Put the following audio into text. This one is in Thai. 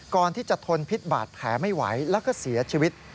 ก่อนที่จะทนพิษบาดแผลไม่ไหวแล้วก็เสียชีวิต